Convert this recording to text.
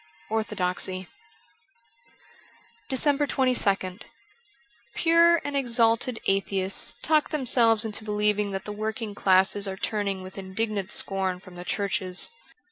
'Orthodoxy.' 394 DECEMBER 22nd PURE and exalted atheists talk themselves into believing that the working classes are turning with indignant scorn from the churches.